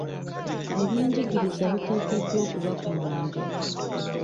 Eby'enjigiriza biteekeddwa okuba ku mwanjo.